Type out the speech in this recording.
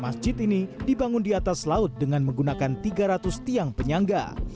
masjid ini dibangun di atas laut dengan menggunakan tiga ratus tiang penyangga